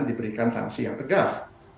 diberikan sanksi yang tegas